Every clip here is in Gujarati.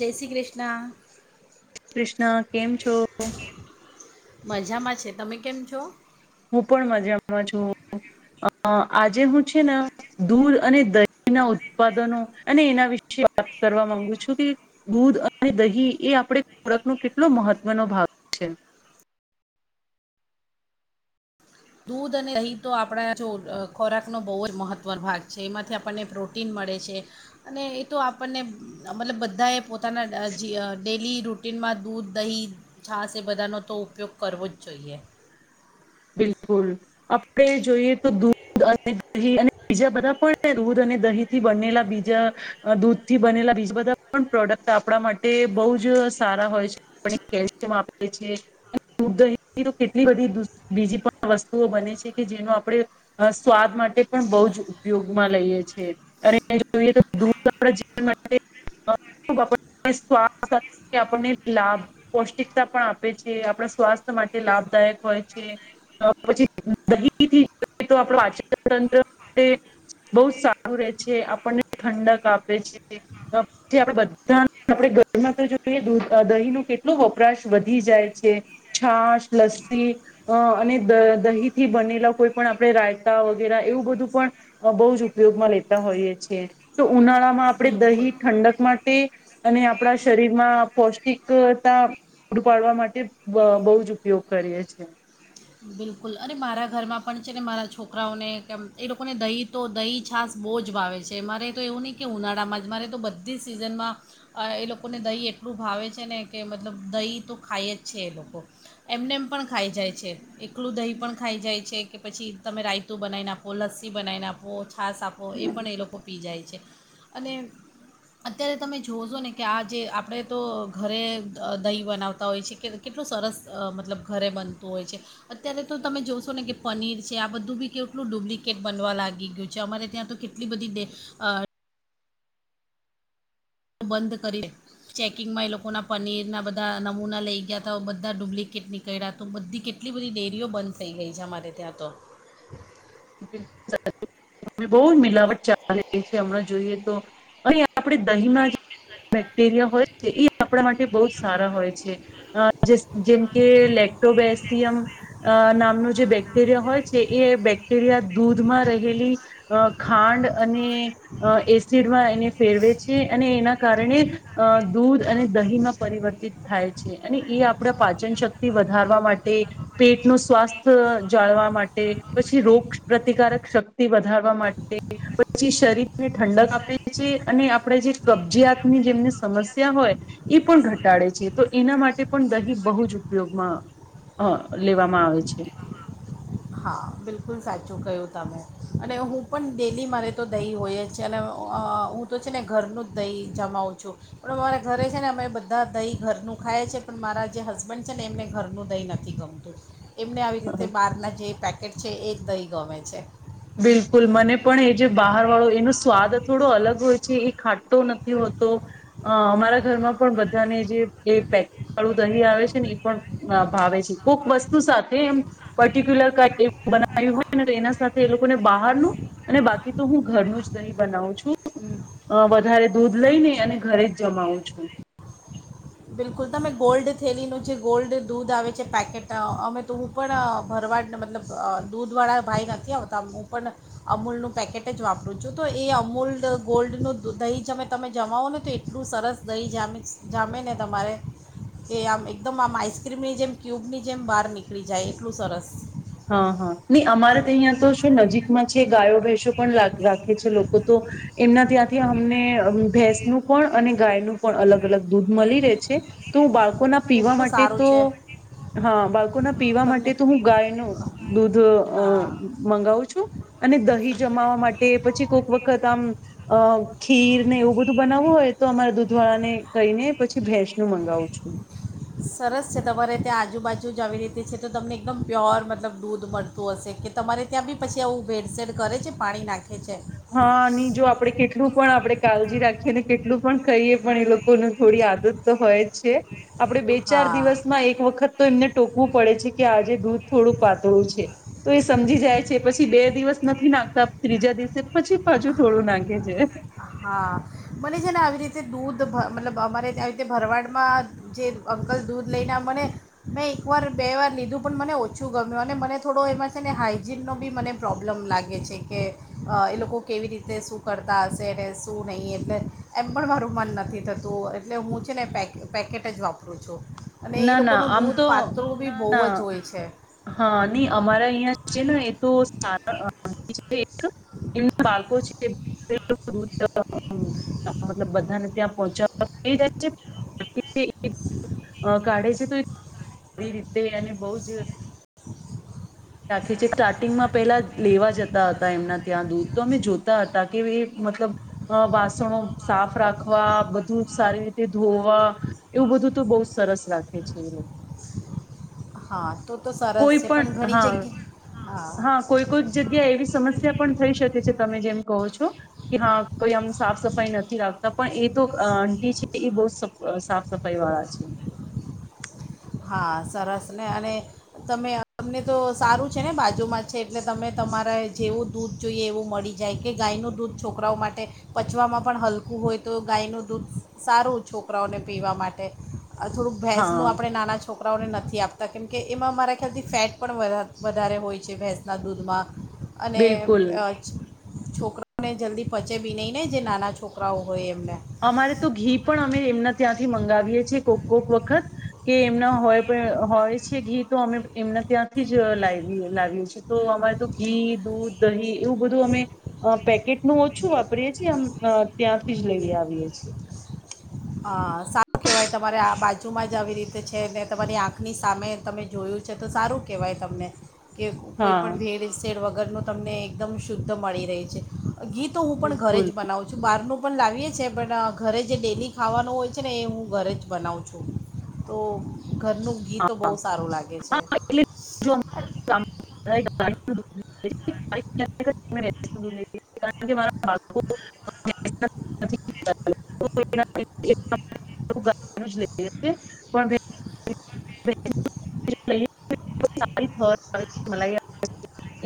જય શ્રી કૃષ્ણ. કૃષ્ણ કેમ છો. મજામાં છે તમે કેમ છો. હું પણ મજામાંમાં છું આજે હું છે ને દૂધ અને દહીના ઉત્પાદનો અને એના વિશે વાત કરવા માંગુ છું કે દૂધ અને દહી એ આપડે ખોરાક નો કેટલો મહત્વનો ભાગ છે દૂધ અને દહીં તો આપણા જો ખોરાકનો બહુ જ મહત્વનો ભાગ છે. એમાંથી આપણને પ્રોટીન મળે છે. અને એ તો આપણને મતલબ બધા એ પોતાના ડેલી રૂ કિટિનમાં દૂધ દહી છાસ એ બધાનો તો ઉપયોગ કરવો જ જોઈએ બિલકુલ આપણે જોઈએ તો દૂ દધ અને દહી અને બીજા બધા પણ દૂધ અને દહી થી બનેલા બીજા દૂધ થી બનેલા બીજા બધા પણ પ્રોડક્ટ આપણા માટે બહુ જ સારા હોય છે. લ્શિયમ આપે છે દૂ કેટલી બધી બીજી પણ વસ્તુઓ બને છે કે જેનો આપડણે અ સ્વાદ માટે પણ બહુ જ ઉપયોગમાં લઈએ છે. અરે જોઈએ તો દર આપ જીવ માટે [inaudible] આપણને લાભ પૌષ્ટિકતા પણ આપે છે આપણા સ્વાસ્થ્ય માટે લાભદાયક હોય છે. [unintelligible] પછી દહીથી આપચંત્ર બહુ સારું રે છે આપણને ઠંડક આપે છે. જે આપણે બધા આપણે ઘરમાં તો જોઈએ દૂધ દહીં ન કેટલો વપરાશ વધી જાય છે. છાશ લસ્સી અ અને દ દહીંથી બનેલા કોઈ પણ આપણે રાયતા વગેરે એવું બધું પણ બહુ જ ઉપયોગમાં લેતા હોઈએ છ. છેએ તો ઉનાળામાં આપણે બિલકુલ દહી ઠંડકમાં તે અને આપણા શરીરમાં પૌષ્ટિકતા પૂ પાડવા માટે બહુ જ ઉપયોગ કરીએ છીએ. બિલકુલ અને મારા ઘરમાં પણ છે ને મારા છોકરાઓને કેમ એ લોકોને દહીં તો દહીં છાસ બહુ જ ભાવે છે મારે તો એવું નહીં કે ઉનાળામાં જ મારે તો બધી જ સિઝનમાં એ લોકોને દહીં એટલું ભાવે છે ને કે મતલબ દહીં તો ખાય જ છે એ લોકો એમને એમ પણ ખાઈ જાય છે. એકલું દહીં પણ ખાઈ જાય છે કે પછી તમે રાયતું બનાવી આખો લસ્સી બનાવીને આપો કે છાસ આપો એ પણ એ લોકો પી જાય છે અને અત્યારે તમે જોશો ને કે આ જે આપણે તો ઘરે દહીં બનાવતા હોય છે કે કેટલું સરસ મતલબ ઘરે બનતું હોય છે. અત્યારે તો તમે જોશો ને કે પનીર છે આ બધું બી કેટલું ડુપ્લિકેટ બનવા લાગી ગયું છે અમારે ત્યાં તો એટલી બધી દે બંધ કરીએ ચેકિંગમાં એ લોકોના પનીરના બધા નમૂના લઈ ગયા હતા બધા ડુપ્લિકેટ નીળ ગળ તો બધી કેટલી બધી ડેરીઓ બંધ થઈ ગઈ છે અમારે ત્યાં તો [inaudible] બહુ મિલાવટ ચાલી રહી છે હમણાં જોઈએ તો અહી આપડે દહીંના બેક્ટેરિયા હોય છે એ આપણા માટે બહુ જ સારા હોય છે અ જેમ કે લેક્ટોબેસિયમ અ નામનું જે બેક્ટેરિયા હોય છે એ બેક્ટેરિયા દૂધમાં રહેલી અ ખાંડ અને અ એસિડમાં એને ફેરવે છે અને એના કારણે અ દૂધ અને દહીંમાં પરિવર્તિત થાય છે અને એ આપડા પાચન શક્તિ વધારવા માટે પેટ ન સ્વાસ્થ્ય જાળવા માટે પછી રોગ પ્રતિકારક શક્તિ વધારવા માટે પછી શરીરને ઠંડક આપે અને આપણેે જે કબજયાતની જેમને સમસ્યા હોય એ પણ ઘટાડે છે તો એના માટે પણ દહી બહુ જ ઉપયોગમાં હ લેવામાં આવે છે હા બિલકુલ સાચું કહ્યું તમે અને હું પણ ડેલી મારે તો દહી હોય જ છે અને હું તો છે ને ઘરનું જ દહીં જમાવું છું પણ અમારા ઘરે છે ને અમે બધા દહીં ઘરનું ખાઈએ છીએ પણ મારા જે હસબન્ડ છે ને એમને ઘરનું દહીં નથી ગમવું એમને આવી રીતે બહારના જે પેકેટ છે એ જ દહીં ગમે છે બિલકુલ મને પણ એ જે બહાર વાળો એનો સ્વાદ થોડો અલગ હોય છે એ ખાટો નથી હોતો હ અમારા ઘરમાં પણ બધાને જે કળું દહીં આવે છે ને એ પણ ભાવે છે કોઈક વસ્તુ સાથે એમ પર્ટિક્યુલર ક એવ બનાવ્યું હોયને તો એના એ લોકોને બહારનું અને બાકી તો હું ઘરનું જ દહી બનાવું છું અ વધારે દૂધ લઈ ને અને ઘરે જ જમાવું છું બિલકુલ તમે ગોલ્ડ થેલીનું જે ગોલ્ડ દૂધ આવે છે પેકેટ અમે તો હું પણ ભરવાડ મતલબ દૂધવાળા ભાઈ નથી આવતા હું પણ અમૂલનુંું પેકેટ જ વાપરું છું તો એ અમૂલ ગોલ્ડ ન દહીમે તમે જમાઓો ને તો એટલું સરસ દહીં જામ જામે ને તમારે કે આમ એકદમ આમ આઈસ્ક્રીમની જેમ ક્યુબની જેમ બહાર નીકળી જાય એટલું સરસ હા હા નહી અમારે તો અહંયા તો શું નજીકમાં છે ગાયો ભેસો પણ રાખે છે લોકો તો એમના ત્યાંથી અમને ભેંસનું પણ અને ગાયનું પણ અલગ અલગ દૂધ મળી રહે છે તો હું બાળકોના પીવા કેટલું માટે સારું તો છે હા બાળકોના પીવા તમને માટે તો હું ગાય ન દુધ અ હા મંગાવું છું અને દહી જમાવા માટે પછી કોઈક વખત આમ અ ખીર ને એવું બધું બનાવવું હોય તો અમારા દૂધવાળા ને કહીને પછી ભેંસ નું મંગાવું છું સરસ છે તમારે ત્યાં આજુબાજુ જ આવી રીતે છે તો તમને એકદમ પ્યોર મતલબ દૂધ મળતું હશે કે તમારે ત્યાં બી પછી આવું ભેડસેેડ કરે છે પાણી નાખે છે હા જો આપડણે કેટલું પણ આપડે કાળજી રાખીએ અને કેટલું પણ કહીએ પણ એ લોકો થોડી આદત તો હોય જ છે આપણે બે ચાર હા દિવસમાં એક વખત તો એમને ટોકવું પડે છે કે આજે દૂધ થોડું પાતળું છે તો એ સમજી જાય છે પછી બે દિવસ નથી નાખતા ત્રીજા દિવસ પછી બાજુ થોડું નાખે છે હા મને છે ને આવી રીતે દૂધ મતલબ અમારે આવી રીતે ભરવાડમાં જે અંકલ દૂધ લઈને મને મેં એકવાર બે વાર લીધું પણ મને ઓછું ગમ્યું અને મને થોડો એમાં છે ને હાાઈજીનનો બી મને પ્રોબ્લેમ લાગે છે કે એ લોકો કેવી રીતે શું કરતા હ ને શું નહીં એટલે એમ પણ મારું મન નથી થતું એટલે હું છે ને પે પેકેટ જ વાપરું વારું છું અને એ ના ના લોકોનું આમ દૂધ તો પાત્રું બી ના બહુ ના જ હોય છે હા નહી અમારા અહંય છે ને એ તો એમના બાળકો છે [unintelligible] મતલબ બધાને ત્યાં પહોચાવાઈ જાય છે [unintelligible] અ કાઢે છે તો સારી રીતે અને બહુ જ રાખી છે સ્ટાર્ટિંગમાં પેલા લેવા જતા હતા એમના ત્યાં દૂધ તો અમે જોતા હતા કે એ મતલબ અ વાસણો સાફ રાખવા બધું સારી રીતે ધોવા એવું બધું તો બહુ સરસ રાખે છે એ લોકો. હા તો તો સરસ કોઈ છે પણ ઘણી જગ્યા હા કોક જગ્યા એવી સમસ્યા પણ થઈ શકે છે, તમે જેમ કહો છો કે હા કોઈ આમ સાફ સફાઈ નથી રાખતા પણ એ તો આંટી છે એ બહુ સાફ સફાઈ વાળા છે. હા સરસ ને અને તમે તમને તો સારું છે ને બાજુમાં છે એટલે તમે તમારા જેવું દૂધ જોઈએ એવું મળી જાય કે ગાયનું દૂધ છોકરાઓ માટે પચવામાં પણ હલકું હોય તો ગાયનું દૂધ સારું છોકરાઓને પીવા માટે અ થોડુંક હા ભેંસનું આપણે નાના છોકરાઓને નથી આપતા કેમ કે એમાં મારા ખ્યાલથી ફેટ પણ વઘા વધારે હોય છે, ભેંસના દૂધમાં અને બિલકુલ અ છોકરાઓને જલ્દી પચે બી નહી ને જે નાના છોકરાઓ હોય એમને અમારે તો ઘી પણ અમે એમના ત્યાંથી મંગાવીએ છીએ કોક કોક વખત કે એમના હોય પણ હોય છે ઘી તો અમે એમના ત્યાંથી જ લાવી લાવીએ છ છીએ તો અમારે તો ઘી, દૂધ, દહીં, એવું બધું અમે અ પેકેટનું ઓછું વાપરીએ છીએ આમ ત્યાંથી જ લઈ આવીએ છીએ હ સારું કેવાય તમારે આ બાજુમાં જ આવી રીતે છે ને તમારી આંખની સામે તમે જોયું છે, તો સારું કહેવાય તમને કે હા કોઈપણ ભેડ સેડ વગરનું તમને એકદમ શુદ્ધ મળી રહી છે, ઘી તો હું પણ ઘરે બિલકુલ જ બનાવું છું. બહારનું પણ લાવીએ છીએ પણ ઘરે જે ડેલી ખાવાનું હોય છે ને એ હું ઘરે જ બનાવું છું તો ઘરનું ઘી તો બહુ સારું લાગે છે. [unintelligible] [unintelligible] મા બાળકો [unintelligible] પણ [unintelligible] [unintelligible]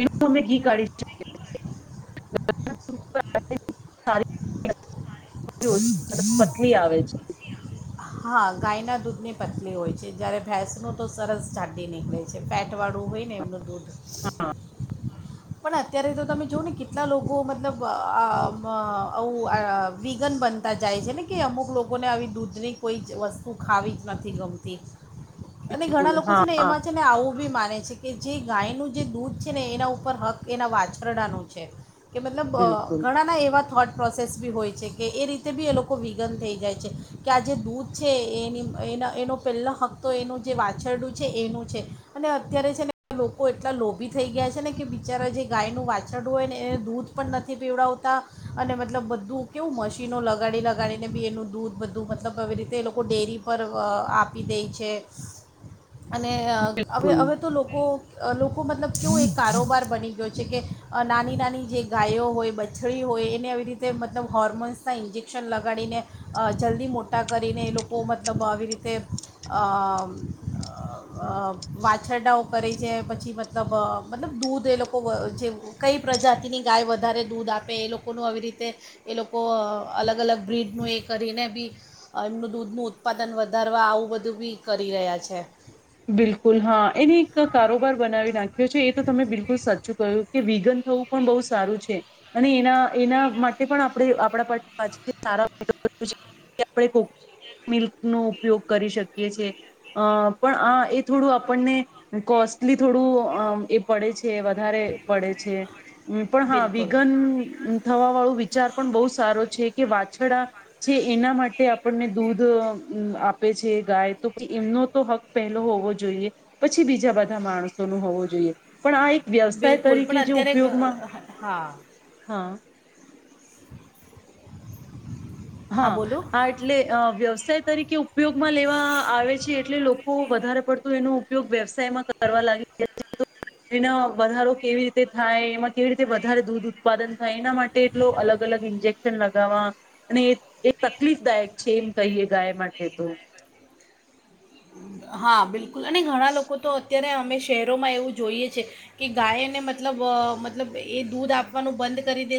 એનું અમે ઘી કાઢી શકીએ [unintelligible] [unintelligible] [unintelligible] પત્ની આવે છે હા ગાયના દૂધ ની પતલી હોય છે, જયારે ભેંસ નુ તો સરસ જાડી નીકળે છે. ફેટ વાળું હોય ને એમનું દૂધ હા પણ અત્યારે તો તમે જોઓ ને કેટલા લોકો મતલબ અ આ અ આવું વીગન બન તા જાય છે ને કે અમુક લોકોને આવી દૂધની કોઈ જ વસ્તુ ખાવી જ નથી ગમતી. અને ઘણા બિલકુલ લોકો હા છે, ને હા એમાં છે, ને આવું બી માને છે. કે જે ગાયનું જે દૂધ છે ને એના ઉપર હક્ક એના વાછરડાનો છે. કે મતલબ બિલકુલ ઘણાના એવા થોટ પ્રોસેસ ભી હોય છે કે એ રીતે બી એ લોકો વિઘન થઈ જાય છે. કે આ જે દૂધ છે એની એ એનો પહેલો હક્તો એનું જે વાછરડું છે એનું છે‌. અને અત્યારે છે ને લોકો એટલા લોભી થઈ ગયા છે ને કે બિચારા જે ગાયનું વાછરડું હોય ને એ દૂધ પણ નથી પીવડાવતા અને મતલબ બધું કેવું મશીનો લગાડી લગાડીને ભી એનું દૂધ બધું મતલબ એવી રીતે એ લોકો ડેરી પર આપી દે છે. અને હવે બિલકુલ હવે તો લોકો લોકો મતલબ કેવુએ એ કારોબાર બની ગયો છે કે નાની નાની જે ગાયો હોય બ વાછળી હોય એને આવી રીતે મતલબ હોર્મોન્સના ઇન્જેક્શન લગાડીને જલ્દી મોટા મોટા કરીને એ લોકો મતલબ આવી રીતે. વાછરડાઓ કરે છે પછી મતલબ મતલબ દૂધ એ લોકો જે કઈ પ્રજાતિની ગાય વધારે દૂધ આપે એ લોકોનું આવી રીતે એ લોકો અલગ અલગ બ્રિડનું એ કરીને ભી એમનું દૂધનું ઉત્પાદન વધારવા આવું બધું ભી કરી રહ્યા છે. બિલકુલ હા એને એક કારોબાર બનાવી નાખ્યો છે એ તો તમે બિલકુલ સાચું કહ્યું. કે વિગન થવું પણ બહુ સારું છે. અને એના એના માટે પણ આપણે આપણા પા સારા આપણે કોકો મિલ્ક નો ઉપયોગ કરી શકીએ છિએ અ પણ આ એ થોડું આપણને કોસ્ટલી થોડું એ પડે છે, વધારે પડે છે. પણ હા બિલકુલ વિઘન થવા વાળો વિચાર પણ બહુ સારો છે કે વાછડા છે એના માટે આપણને દૂધ આપે છે ગાય તો કે એમનો તો હક પહેલો હોવો જોઈએ પછી બીજા બધા માણસો ન હોવો જોઈએ પણ આ એક વ્યવસાય બિલકુલ તરીકે પણ જે અત્યારે ઉપયોગમાં, ગ- હા હા. હા એટલે વ્યવસાય તરીકે ઉપયોગમાં લેવા આવે છે એટલે લોકો વધારે પડતું એનું ઉપયોગ વ્યવસાયમાં કરવા લાગી એના વધારો કેવી રીતે થાય, એમાં કેવી રીતે વધારે દૂધ ઉત્પાદન થાય એના માટે એટલ અલગ અલગ ઇન્જેક્શન લગાવવા અને એ એ તકલીફ દાયક છે એમ કહીએ ગાય માટે તો હા બિલકુલ અને ઘણા લોકો તો અત્યારે અમે શહેરોમાં એવું જોઈએ છે. કે ગાયને મતલબ મતલબ એ દૂધ આપવાનું બંધ કરી દેશે